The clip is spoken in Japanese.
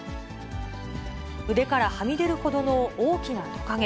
腕からはみ出るほどの大きなトカゲ。